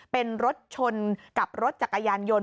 เป็นรถชนกับรถจักรยานยนต์